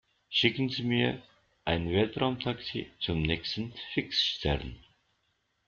Schicken Sie mir ein Weltraumtaxi zum nächsten Fixstern!